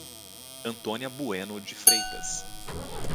Antônia Bueno de Freitas